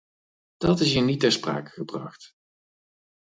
Dat is hier niet ter sprake gebracht.